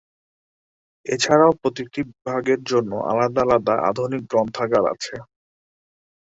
এছাড়াও প্রতিটি বিভাগের জন্য আলাদা আলাদা আধুনিক গ্রন্থাগার আছে।